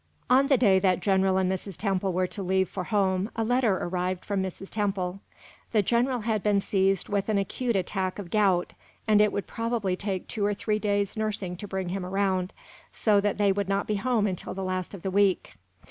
On the day that the general and Mrs. Temple were to leave for home a letter arrived from Mrs. Temple. The general had been seized with an acute attack of gout, and it would probably take two or three days nursing to bring him around, so that they would not be home until the last of the week.